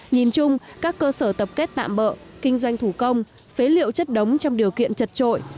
nhìn chung các cơ sở tập kết tạm bỡ kinh doanh thủ công phế liệu chất đống trong điều kiện chật trội